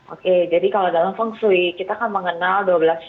oke jadi kalau dalam feng shui kita kan mengenal dua belas